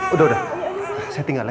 udah udah saya tinggal lah